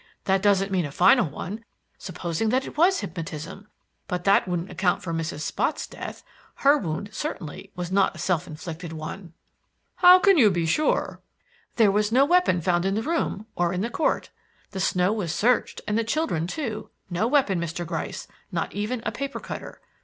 That doesn't mean a final one. Supposing that it was hypnotism! But that wouldn't account for Mrs. Spotts' death. Her wound certainly was not a self inflicted one." "How can you be sure?" "There was no weapon found in the room, or in the court. The snow was searched and the children too. No weapon, Mr. Gryce, not even a paper cutter.